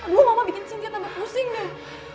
bu mama bikin sintia tambah pusing deh